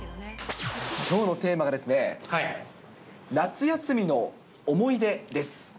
きょうのテーマはですね、夏休みの思い出です。